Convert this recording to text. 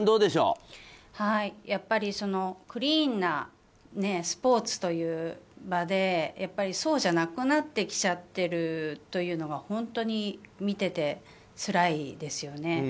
やっぱりクリーンなスポーツという場でそうじゃなくなってきちゃってるというのが本当に見てて、つらいですよね。